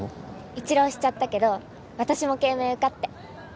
１浪しちゃったけど私も慶明受かって。